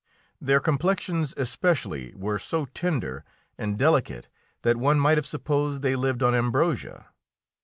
Their complexions especially were so tender and delicate that one might have supposed they lived on ambrosia.